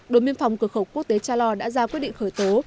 đồn biên phòng cửa khẩu quốc tế cha lo đã ra quyết định khởi tố